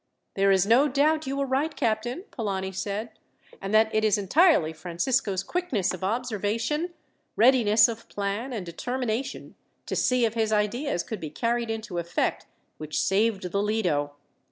"There is no doubt you were right, captain," Polani said, "and that it is entirely Francisco's quickness of observation, readiness of plan, and determination to see if his ideas could be carried into effect, which saved the Lido.